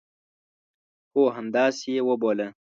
هو، همداسي یې وبوله